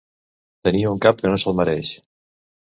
Tenir un cap que no se'l mereix.